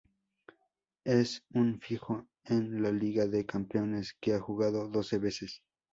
Es un fijo en la Liga de Campeones, que ha jugado doce veces.